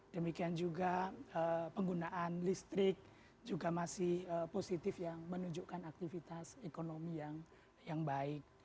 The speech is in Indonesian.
demikian juga penggunaan listrik juga masih positif yang menunjukkan aktivitas ekonomi yang baik